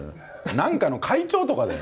なんかの会長とかだよ。